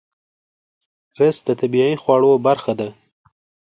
رس د طبیعي خواړو برخه ده